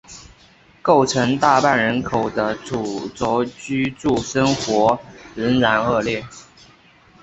构成大半人口的土着居住生活仍然恶劣。